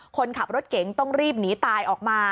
คนขับรถเก๋งต้องรีบหนีตายออกมา